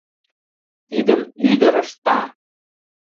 — Тидым ӱдыр ышта!